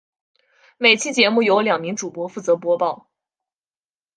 每期节目由两名主播负责播报。